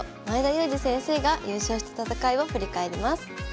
前田祐司先生が優勝した戦いを振り返ります。